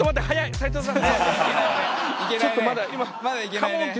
斎藤さん